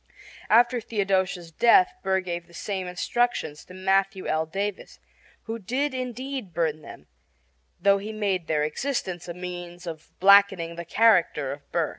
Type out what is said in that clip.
After Theodosia's death Burr gave the same instructions to Matthew L. Davis, who did, indeed, burn them, though he made their existence a means of blackening the character of Burr.